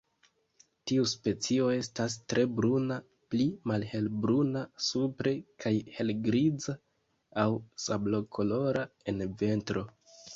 Tiu specio estas tre bruna, pli malhelbruna supre kaj helgriza aŭ sablokolora en ventro.